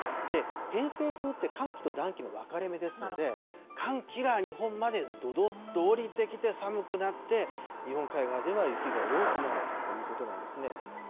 偏西風って寒気と暖気の分かれ目ですので、寒気が日本までどどっと降りてきて、寒くなって、日本海側では雪が多くなるということなんですね。